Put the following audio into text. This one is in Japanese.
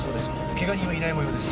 ケガ人はいない模様です。